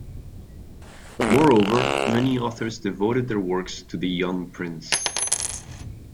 Moreover, many authors devoted their works to the young prince.